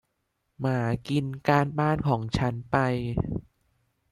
หมากินการบ้านของฉันไป